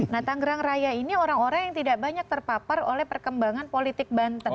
nah tanggerang raya ini orang orang yang tidak banyak terpapar oleh perkembangan politik banten